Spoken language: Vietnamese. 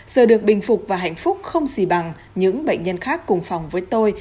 giờ được bình phục và hạnh phúc không gì bằng những bệnh nhân khác cùng phòng với tôi